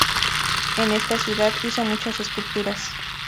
En esta ciudad hizo muchas esculturas.